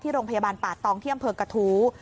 ที่โรงพยาบาลป่าตองเที่ยมเผิกกระทู